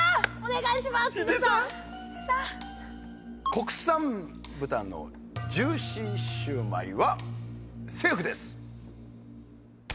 国産豚のジューシー焼売はセーフです。